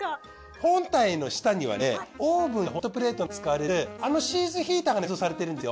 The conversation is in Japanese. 本体の下にはねオーブンやホットプレートなどに使われるあのシーズヒーターがね内蔵されてるんですよ。